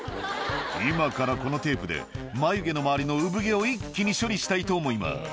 「今からこのテープで眉毛の周りの産毛を一気に処理したいと思います」